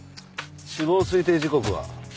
死亡推定時刻は？